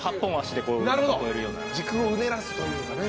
時空をうねらすというかね。